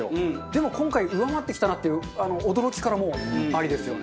でも今回上回ってきたなっていう驚きからもうアリですよね。